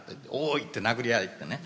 「おい」って殴り合ってね。